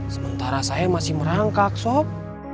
sementara saya masih merangkak sok